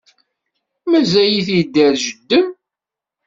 Mazal-it yedder jeddi-m?